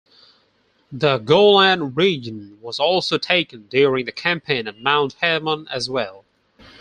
The Golan region was also taken during the campaign and Mount Hermon as well.